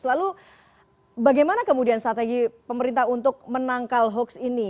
lalu bagaimana kemudian strategi pemerintah untuk menangkal hoax ini